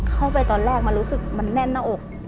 เข้าไปตอนแรกมันรู้สึกมันแน่นหน้าอก